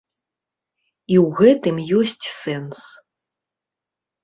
І ў гэтым ёсць сэнс.